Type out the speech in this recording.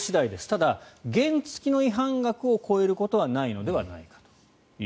ただ、原付きの違反額を超えることはないのではないかと。